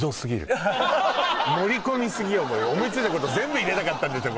盛り込みすぎよ思いついたこと全部入れたかったんでしょ